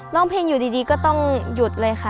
ร้องเพลงอยู่ดีก็ต้องหยุดเลยค่ะ